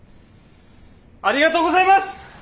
ありがとうございます！